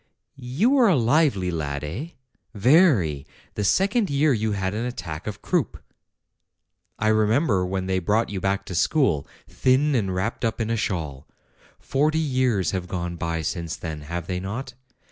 "You were a lively lad, eh? Very. The second year you had an attack of croup. I remember when they brought you back to school, thin and wrapped up in a shawl. Forty years have gone by since then, have they not?